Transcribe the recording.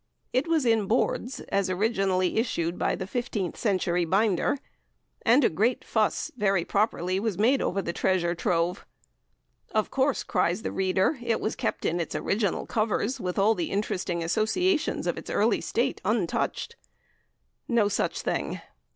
It was in boards, as originally issued by the fifteenth century binder, and a great fuss (very properly) was made over the treasure trove. Of course, cries the reader, it was kept in its original covers, with all the interesting associations of its early state untouched? No such thing!